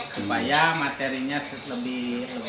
supaya materinya lebih dapat tersampaikan ke pemerintah